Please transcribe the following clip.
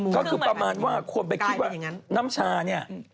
ก็คือประมาณว่าคนไปคิดว่าน้ำชาเนี่ย